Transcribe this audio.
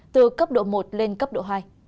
từ cấp độ một lên cấp độ hai